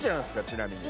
ちなみに。